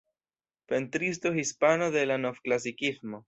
Pentristo hispano de la Novklasikismo.